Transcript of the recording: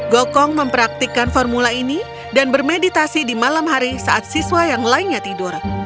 gokong mempraktikkan formula ini dan bermeditasi di malam hari saat siswa yang lainnya tidur